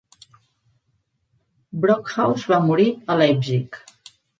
Brockhaus va morir a Leipzig.